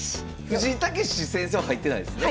藤井猛先生は入ってないですね？